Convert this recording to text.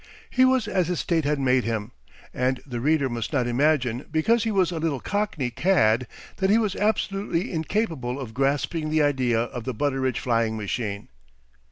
He was as his State had made him, and the reader must not imagine because he was a little Cockney cad, that he was absolutely incapable of grasping the idea of the Butteridge flying machine.